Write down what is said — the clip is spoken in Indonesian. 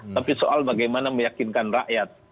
tapi soal bagaimana meyakinkan rakyat